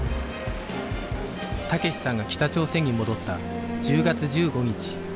武志さんが北朝鮮に戻った１０月１５日